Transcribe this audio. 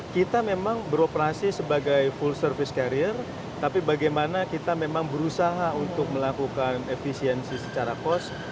kita memang beroperasi sebagai full service carrier tapi bagaimana kita memang berusaha untuk melakukan efisiensi secara kos